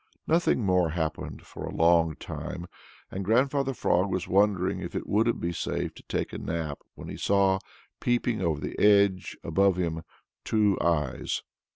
Nothing more happened for a long time, and Grandfather Frog was wondering if it wouldn't be safe to take a nap when he saw peeping over the edge above him two eyes.